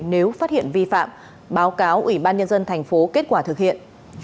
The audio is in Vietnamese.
nếu phát hiện vi phạm báo cáo ủy ban nhân dân tp kết quả thực hiện